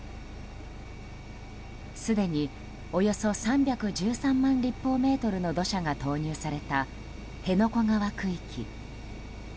すでにおよそ３１３万立方メートルの土砂が投入された辺野古側区域。